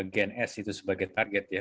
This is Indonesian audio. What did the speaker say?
gen s itu sebagai target ya